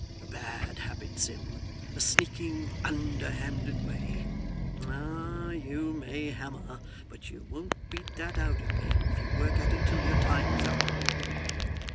A bad habit, Sim, a sneaking, underhanded way. Ah! you may hammer, but you won't beat that out of me, if you work at it till your time's up!